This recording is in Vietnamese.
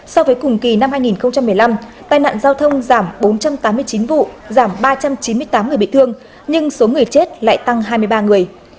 so với cùng kỳ năm hai nghìn một mươi năm tai nạn giao thông giảm bốn trăm tám mươi chín vụ giảm ba trăm chín mươi tám người bị thương nhưng số người chết lại tăng hai mươi ba người